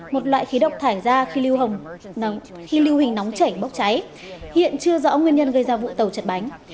một loại khí độc thải ra khi lưu hình nóng chảy bốc cháy hiện chưa rõ nguyên nhân gây ra vụ tàu chật bánh